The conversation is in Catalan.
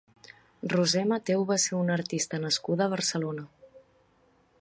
Roser Matheu va ser una artista nascuda a Barcelona.